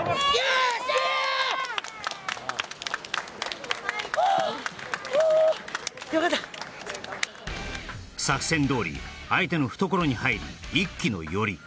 あーっああ作戦どおり相手の懐に入り一気の寄り